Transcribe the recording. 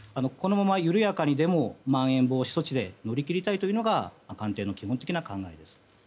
このまま緩やかにでもまん延防止措置で乗り切りたいというのが官邸の基本的な考え方です。